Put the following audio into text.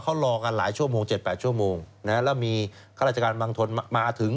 เขารอกันหลายชั่วโมง๗๘ชั่วโมงแล้วมีข้าราชการบางคนมาถึง